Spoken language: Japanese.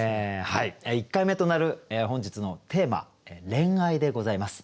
１回目となる本日のテーマ「恋愛」でございます。